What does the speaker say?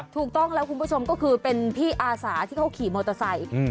ถูกต้องแล้วคุณผู้ชมก็คือเป็นพี่อาสาที่เขาขี่มอเตอร์ไซค์